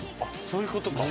そういうことか。